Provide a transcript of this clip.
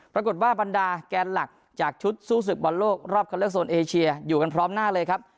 บรรดาแกนหลักจากชุดสู้ศึกบอลโลกรอบคันเลือกโซนเอเชียอยู่กันพร้อมหน้าเลยครับ